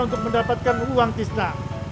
untuk mendapatkan uang tista